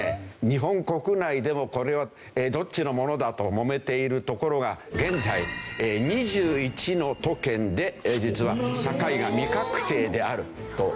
日本国内でもこれはどっちのものだともめている所が現在２１の都県で実は境が未画定であるというわけですね。